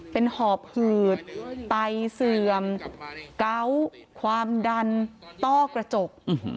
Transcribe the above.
เป็นหอบหืดไตเสื่อมเกาะความดันต้อกระจก